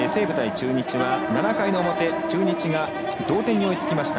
中日は７回の表中日が同点に追いつきました。